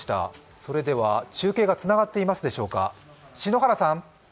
それでは中継がつながっていますでしょうか。